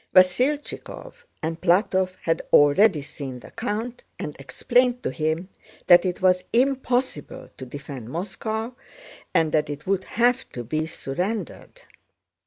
Vasílchikov and Plátov had already seen the count and explained to him that it was impossible to defend Moscow and that it would have to be surrendered.